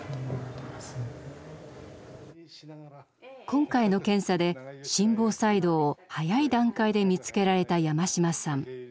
今回の検査で心房細動を早い段階で見つけられた山島さん。